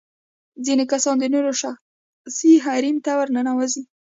ځينې کسان د نورو شخصي حريم ته ورننوزي.